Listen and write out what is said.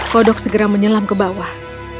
kodok segera menyelam ke bawah